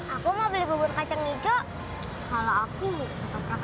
aku mau beli bubur kacang hijau kalau aku sop sop aja deh